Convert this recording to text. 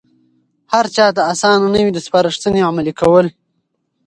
هرچاته آسانه نه وي د سپارښتنې عملي کول.